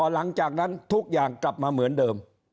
หลังจากนั้นทุกอย่างกลับมาเหมือนเดิม